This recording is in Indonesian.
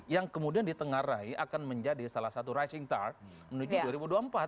yang kemudian di tengah rai akan menjadi salah satu rising star menuju dua ribu dua puluh empat